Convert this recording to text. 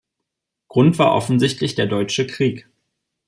Grund war offensichtlich der Deutsche Krieg.